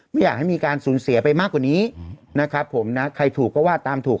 ไม่อยากให้มีการสูญเสียไปมากกว่านี้นะครับผมนะใครถูกก็ว่าตามถูก